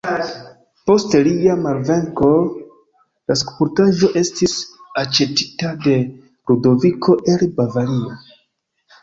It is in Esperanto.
Post lia malvenko, la skulptaĵo estis aĉetita de Ludoviko el Bavario.